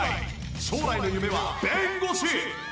将来の夢は弁護士。